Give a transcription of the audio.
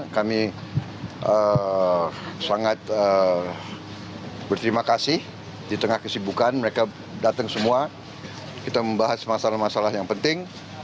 kami sangat berterima kasih di tengah kesibukan mereka datang semua kita membahas masalah masalah yang penting